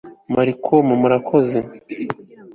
malcolm murakoze